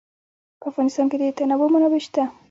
په افغانستان کې د تنوع منابع شته.